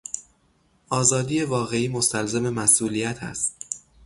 آزادی واقعی مستلزم مسئولیت است.